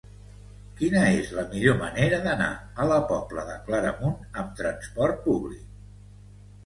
Quina és la millor manera d'anar a la Pobla de Claramunt amb trasport públic?